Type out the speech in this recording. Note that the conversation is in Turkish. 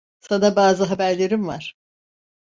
Sana bazı haberlerim var.